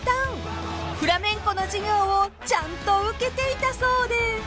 ［フラメンコの授業をちゃんと受けていたそうで］